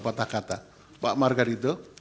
patah kata pak margarito